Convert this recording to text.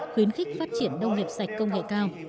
khuyến khích phát triển nông nghiệp sạch công nghệ cao